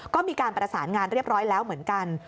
ก็มีการประสานงานเรียบร้อยแล้วเหมือนกัน